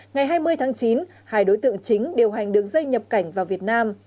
ngày hai mươi tháng chín hai đối tượng chính điều hành đường dây nhập cảnh vào việt nam